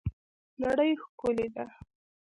نړۍ ښکلې ده